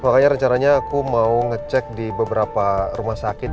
makanya rencananya aku mau ngecek di beberapa rumah sakit